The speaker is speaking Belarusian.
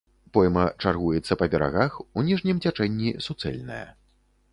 Пойма чаргуецца па берагах, у ніжнім цячэнні суцэльная.